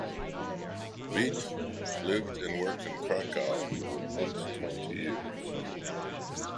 Veit lived and worked in Krakow for the next twenty years.